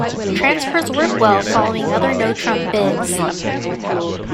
Transfers work well following other notrump bids.